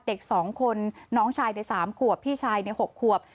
เด็กสองคนน้องชายในสามขวบพี่ชายในหกขวบ